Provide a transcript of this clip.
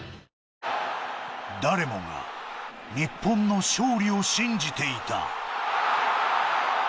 誰もが、日本の勝利を信じていた。